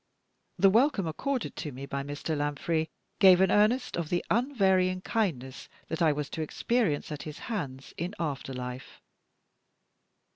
The welcome accorded to me by Mr. Lanfray gave an earnest of the unvarying kindness that I was to experience at his hands in after life.